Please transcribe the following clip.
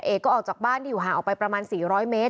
เอกก็ออกจากบ้านที่อยู่ห่างออกไปประมาณ๔๐๐เมตร